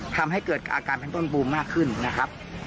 ทำให้เกิดอาการทั้งต้นบูมมากขึ้นนะครับ